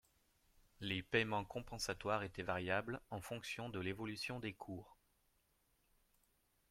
Les paiements compensatoires étaient variables en fonction de l’évolution des cours.